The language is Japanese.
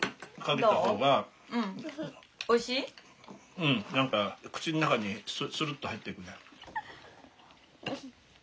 うん何か口の中にスルッと入っていくね。